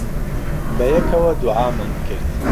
بەیەکەوە دوعامان کرد.